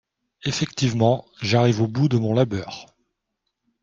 Effectivement, j'arrive au bout de mon labeur